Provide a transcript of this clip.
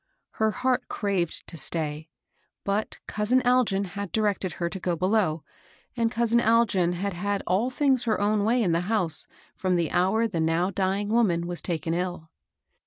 Her heart craved to stay ; but " cous in Algin" had directed her to go bdow, and cousin Algin had had all things her own way in the house from the hour the now dying woman was taken ill.